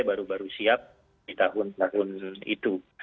baru baru siap di tahun tahun itu